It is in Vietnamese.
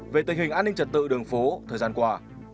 về tình hình an ninh trật tự đường phố thời gian qua